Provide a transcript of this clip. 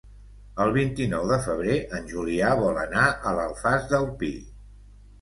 El vint-i-nou de febrer en Julià vol anar a l'Alfàs del Pi.